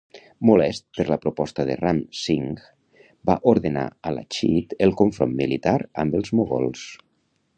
Molest per la proposta de Ram Singh, va ordenar a Lachit el confront militar amb els mogols.